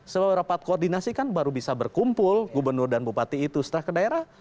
sebelum rapat koordinasi kan baru bisa berkumpul gubernur dan bupati itu setelah ke daerah